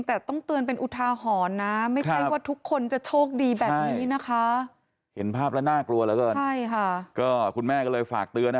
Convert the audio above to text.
แต่ต้องเตือนเป็นอุทาหรณ์นะไม่ใช่ว่าทุกคนจะโชคดีแบบนี้นะคะเห็นภาพแล้วน่ากลัวเหลือเกินใช่ค่ะก็คุณแม่ก็เลยฝากเตือนนะ